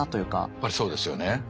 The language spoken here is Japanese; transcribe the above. やっぱりそうですよね。